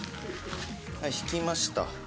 はい敷きました」